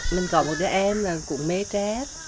tôi có một đứa em cũng mê tré